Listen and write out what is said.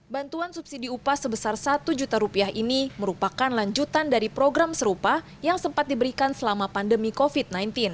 bantuan subsidi upah sebesar satu juta rupiah ini merupakan lanjutan dari program serupa yang sempat diberikan selama pandemi covid sembilan belas